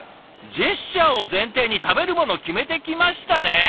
ジェスチャーを前提に食べるものを決めてきましたね？